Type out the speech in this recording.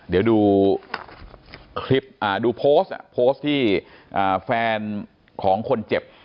เดี๋ยวดูคลิปดูโพสต์โพสต์ที่แฟนของคนเจ็บ